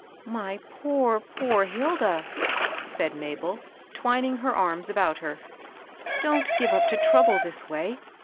" My poor, poor Hilda 1 " said Mabel, twining her arms about her, don't give up to trouble this way.